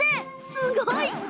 すごい！